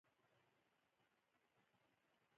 زړه د محبت په باران غوړېږي.